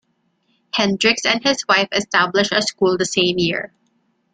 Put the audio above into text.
Hendrix and his wife established a school the same year.